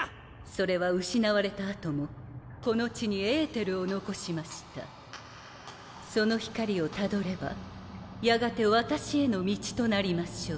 ・それは失われた後もこの地にエーテルを残しました・・その光をたどればやがて私への道となりましょう・